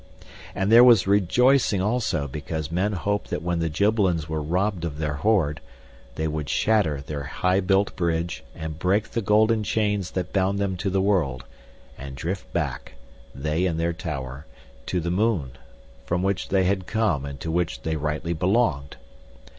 And there was rejoicing also because men hoped that when the Gibbelins were robbed of their hoard, they would shatter their high built bridge and break the golden chains that bound them to the world, and drift back, they and their tower, to the moon, from which they had come and to which they rightly belonged.